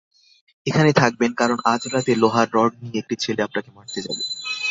এখানে থাকবেন, কারণ আজ রাতে লোহার রড নিয়ে একটি ছেলে আপনাকে মারতে যাবে।